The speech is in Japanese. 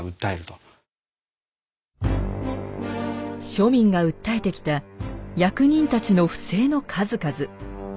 庶民が訴えてきた役人たちの不正の数々。